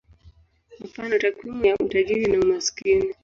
Mfano: takwimu ya utajiri na umaskini.